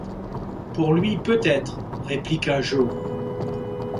Pour lui peut-être, répliqua Joe.